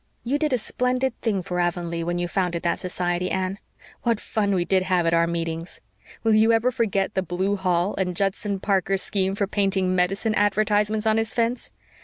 You did a splendid thing for Avonlea when you founded that society, Anne. What fun we did have at our meetings! Will you ever forget the blue hall and Judson Parker's scheme for painting medicine advertisements on his fence?"